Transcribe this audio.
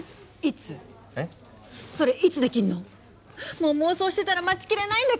もう妄想してたら待ち切れないんだけど！